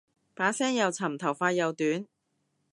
把聲又沉頭髮又短